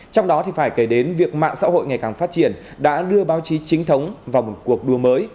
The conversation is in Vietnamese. trong đó thì phải kể đến việc mạng xã hội ngày càng phát triển đã đưa báo chí chính thống vào một cuộc đua mới